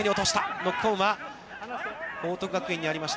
ノックオンは報徳学園にありました。